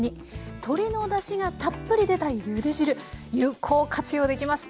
鶏のだしがたっぷり出たゆで汁有効活用できます。